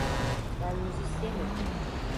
Ben müzisyenim.